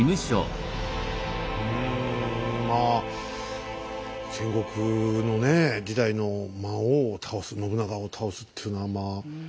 うんまあ戦国のね時代の魔王を倒す信長を倒すっていうのはまあすごい。